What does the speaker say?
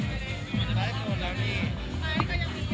เอาเลยเอาเลยเอาเลย